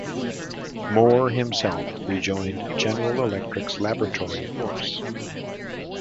Moore himself rejoined General Electric's laboratory force.